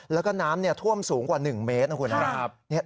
แล้วก็น้ำท่วมสูงกว่า๑เมตรนะครับ